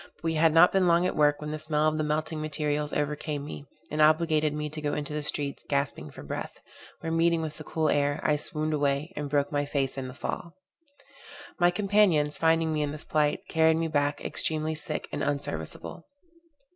But we had not been long at work, when the smell of the melting materials overcame me, and obligated me to go into the streets gasping for breath, where meeting with the cool air, I swooned away, and broke my face in the fall. My companions, finding me in this plight, carried me back, extremely sick and unserviceable.